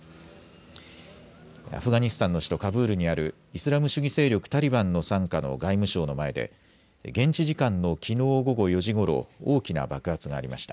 アフガニスタンの首都カブールにあるイスラム主義勢力タリバンの傘下の外務省の前で現地時間のきのう午後４時ごろ大きな爆発がありました。